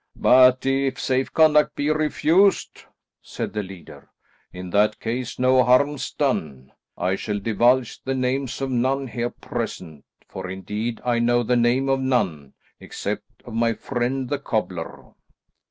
"But if safe conduct be refused?" said the leader. "In that case, no harm's done. I shall divulge the names of none here present, for indeed I know the name of none, except of my friend the cobbler."